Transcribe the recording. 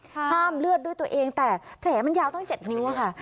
ห้ามเลือดด้วยตัวเองแต่แผลมันยาวตั้ง๗นิ้วค่ะ